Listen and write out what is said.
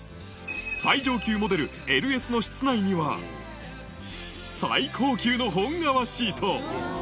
最上級モデル、ＬＳの室内には、最高級の本革シート。